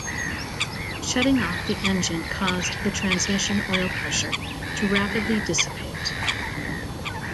Shutting off the engine caused the transmission oil pressure to rapidly dissipate.